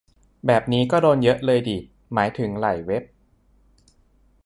แบบนี้ก็โดนเยอะเลยดิ หมายถึงหลายเว็บ